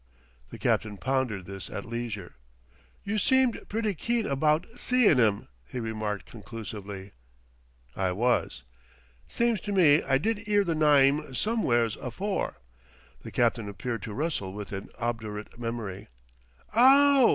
The captain pondered this at leisure. "You seemed pretty keen abaht seein' 'im," he remarked conclusively. "I was." "Seems to me I did 'ear the nyme sumw'eres afore." The captain appeared to wrestle with an obdurate memory. "Ow!"